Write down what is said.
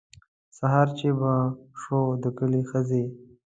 سهار چې به شو د کلي ښځې.